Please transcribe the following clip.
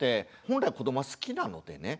本来子どもは好きなのでね